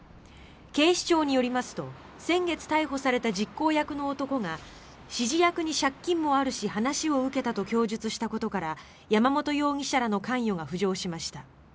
警視庁によりますと先月逮捕された実行役の男が指示役に借金もあるし話を受けたと供述したことから山本容疑者らの関与が浮上しました。